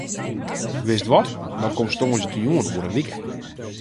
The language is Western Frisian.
Wist wat, dan komst tongersdeitejûn oer in wike.